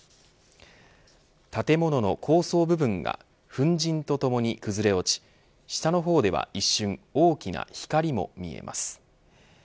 建物の高層部分が粉じんとともに崩れ落ち下の方では一瞬大きな光も見えます。